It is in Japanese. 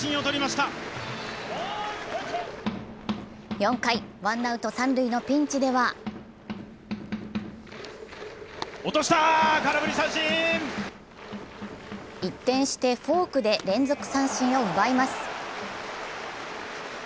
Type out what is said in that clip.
４回、ワンアウト三塁のピンチでは一転してフォークで連続三振を奪います。